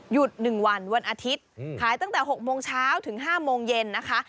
หยุดหนึ่งวันวันอาทิตย์อืมขายตั้งแต่หกโมงเช้าถึงห้าโมงเย็นนะคะ